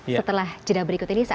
setelah jeda berikut ini